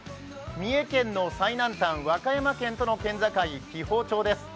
三重県の最南端、和歌山県との県境、紀宝町です。